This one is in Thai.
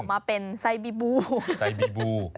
ออกมาเป็นไซบีบู